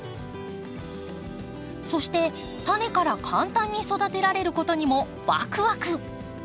そしてタネから簡単に育てられることにもワクワク！